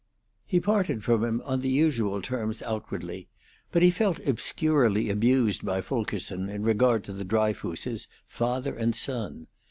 He parted from him on the usual terms outwardly, but he felt obscurely abused by Fulkerson in regard to the Dryfooses, father and son.